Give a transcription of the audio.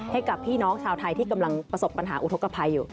ให้กับพี่น้องชาวไทยที่กำลังประสบปัญหาอุทธกภัยอยู่